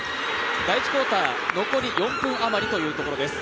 第１クオーター残り４分あまりというところです。